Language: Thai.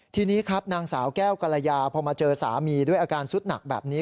ทีนี้ครับนางสาวแก้วกรยาพอมาเจอสามีด้วยอาการสุดหนักแบบนี้